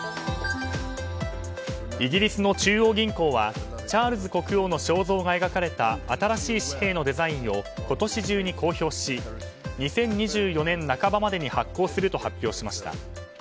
イギリスの中央銀行はチャールズ国王の肖像が描かれた新しい紙幣のデザインを今年中に公表し２０２４年半ばまでに発行すると発表しました。